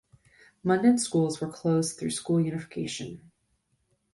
Munden schools were closed through school unification.